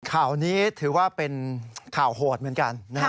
ข่าวนี้ถือว่าเป็นข่าวโหดเหมือนกันนะฮะ